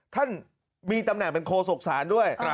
ท่านมีตำแหน่งเป็นโคศกศาลด้วย